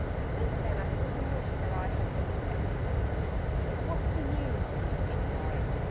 "Since then I've often wished that I Had been a Spectre born. But what's the use?" (He heaved a sigh).